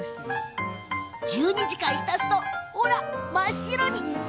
１２時間浸すと、ほら真っ白に。